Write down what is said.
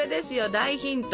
大ヒント。